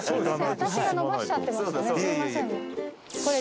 私が延ばしちゃってましたね。